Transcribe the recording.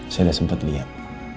saya udah sempat lihat